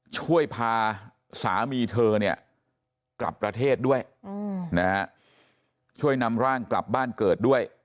ช่วยพาสามีเธอเนี่ยกลับประเทศด้วยนะฮะช่วยนำร่างกลับบ้านเกิดด้วย